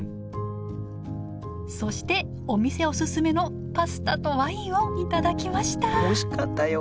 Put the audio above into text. そしてお店おすすめのパスタとワインを頂きましたおいしかったよ！